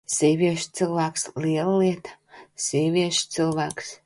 Sievieša cilvēks! Liela lieta: sievieša cilvēks!